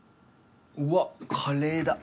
うわカレーだ。